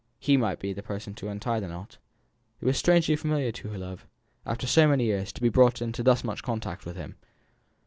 He might be the person to untie the knot. It was strangely familiar to her love, after so many years, to be brought into thus much contact with him.